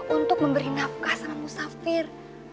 untuk memberi nafkah sama musafir